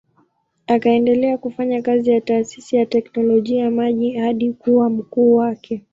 Akaendelea kufanya kazi ya taasisi ya teknolojia ya maji hadi kuwa mkuu wake.